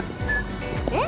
えっ？